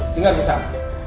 dengar bu sarah